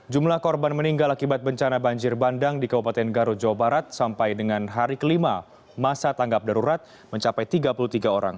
jumlah korban meninggal akibat bencana banjir bandang di kabupaten garut jawa barat sampai dengan hari kelima masa tanggap darurat mencapai tiga puluh tiga orang